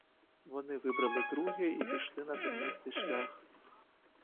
Вони вибрали друге і пішли на тернистий шлях.